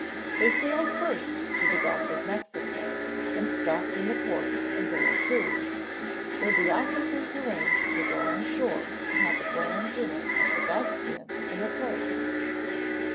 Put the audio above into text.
They sailed first to the Gulf of Mexico and stopped in the port of Vera Cruz, where the officers arranged to go on shore and have a grand dinner at the best inn in the place.